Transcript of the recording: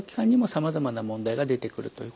さまざまな問題が出てくるんですね。